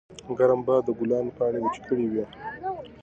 ګرم باد د ګلانو پاڼې وچې کړې وې.